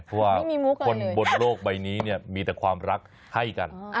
เพราะว่าคนบนโลกใบนี้เนี่ยมีแต่ความรักให้กัน